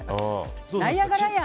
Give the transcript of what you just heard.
ナイアガラやん！